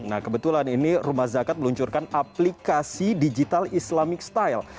nah kebetulan ini rumah zakat meluncurkan aplikasi digital islamic style